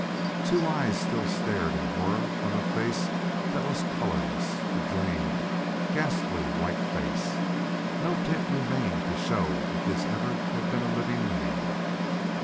Two eyes still stared in horror from a face that was colorless a drained, ghastly white face! No tint remained to show that this ever had been a living man.